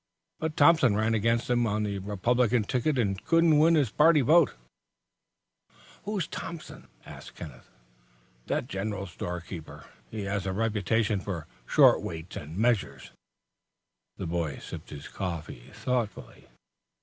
But Thompson ran against him on the Republican ticket and couldn't win his party vote." "Who's Thompson?" "The general store keeper. He has a reputation for short weights and measures." The boy sipped his coffee thoughtfully.